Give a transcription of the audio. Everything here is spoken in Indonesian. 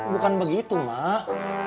bukan begitu mak